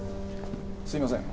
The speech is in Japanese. すみません。